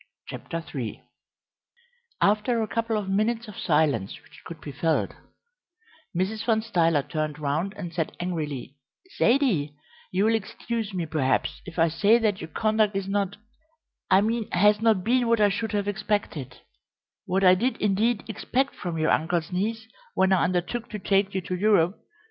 CHAPTER III After a couple of minutes of silence which could be felt, Mrs. Van Stuyler turned round and said angrily: "Zaidie, you will excuse me, perhaps, if I say that your conduct is not I mean has not been what I should have expected what I did, indeed, expect from your uncle's niece when I undertook to take you to Europe.